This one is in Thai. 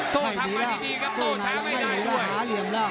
โตทำมาดีครับโตช้าไม่ได้ด้วย